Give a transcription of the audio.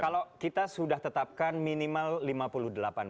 kalau kita sudah tetapkan minimal lima puluh delapan persen